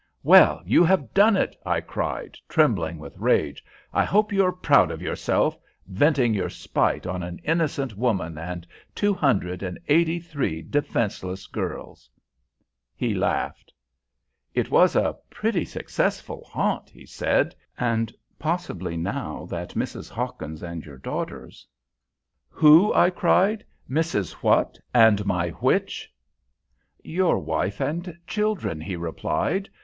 "Well, you have done it," I cried, trembling with rage. "I hope you are proud of yourself, venting your spite on an innocent woman and two hundred and eighty three defenceless girls." He laughed. "It was a pretty successful haunt," he said; "and possibly, now that Mrs. Hawkins and your daughters " "Who?" I cried. "Mrs. What, and my which?" "Your wife and children," he replied.